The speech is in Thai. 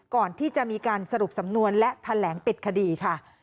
ก่อนที่จะมีการสรุปสำนวนและแถลงปิดคดีค่ะ